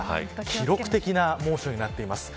記録的な猛暑になっています。